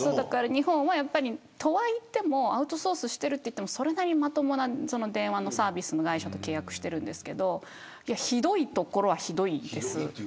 日本はアウトソースしてるといってもそれなりに、まともな電話のサービスの会社と契約しているんですけどひどいところは、ひどいです。